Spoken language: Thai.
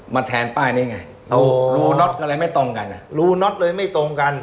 มาแทนป้ายนี้ไงโอ้โหรูน็อตก็เลยไม่ตรงกันรูน็อตเลยไม่ตรงกัน